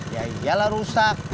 iya iyalah rusak